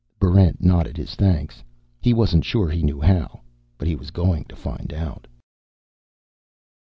Barrent nodded his thanks. He wasn't sure he knew how; but he was going to find out.